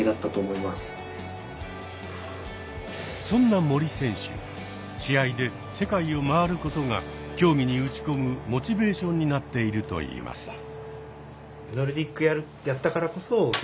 そんな森選手試合で世界を回ることが競技に打ち込むモチベーションになっているといいます。